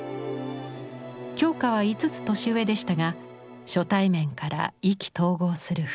鏡花は５つ歳上でしたが初対面から意気投合する２人。